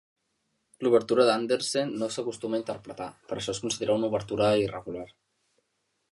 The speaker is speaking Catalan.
L'Obertura d'Anderssen no s'acostuma a interpretar, per això es considera una obertura irregular.